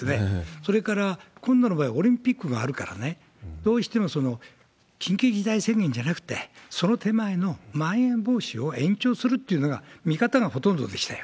それから、今度の場合、オリンピックがあるから、どうしても緊急事態宣言じゃなくて、その手前のまん延防止を延長するっていうのが、見方がほとんどでしたよ。